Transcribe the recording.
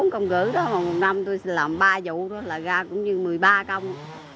bốn công gửi đó một năm tôi làm ba vụ đó là ra cũng như một mươi ba công